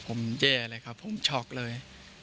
ผมแย่เลยครับผมช็อกเลย